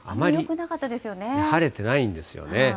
晴れてないんですよね。